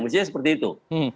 mestinya seperti itu